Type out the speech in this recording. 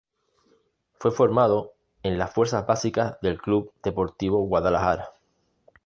Fue formado en las Fuerzas Básicas del Club Deportivo Guadalajara.